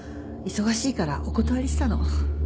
忙しいからお断りしたの。